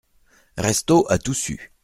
Restaud a tout su.